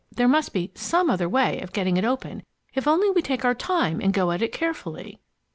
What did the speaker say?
There must be some other way of getting it open if only we take our time and go at it carefully."